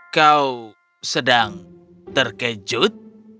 kau sedang terkejut